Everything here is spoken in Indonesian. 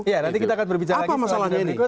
iya nanti kita akan berbicara lagi soal hal ini